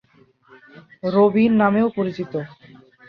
রবিন নামেও পরিচিত।